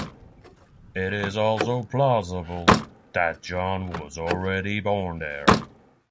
It is also plausible that John was already born there.